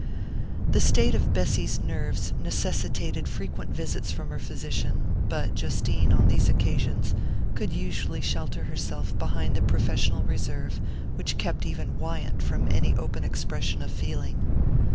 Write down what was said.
The state of Bessy's nerves necessitated frequent visits from her physician, but Justine, on these occasions, could usually shelter herself behind the professional reserve which kept even Wyant from any open expression of feeling.